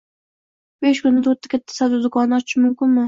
Besh kunda to‘rtta katta savdo do‘konni ochish mumkinmi?